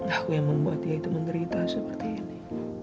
aku yang membuat dia itu menderita seperti ini